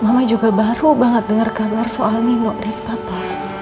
mama juga baru banget dengar kabar soal nino dan papa